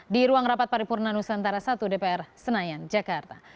di ruang rapat paripurna nusantara i dpr senayan jakarta